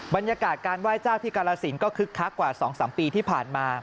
บรรยากาศการไหว้เจ้าที่กาลสินก็คึกคักกว่า๒๓ปีที่ผ่านมา